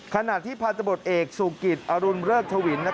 ขณะที่พันธบทเอกสุกิตอรุณเริกทวิน